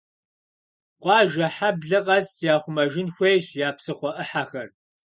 Къуажэ, хьэблэ къэс яхъумэжын хуейщ я псыхъуэ Ӏыхьэхэр.